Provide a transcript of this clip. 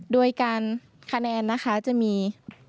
ด้วยการขนาดจะมี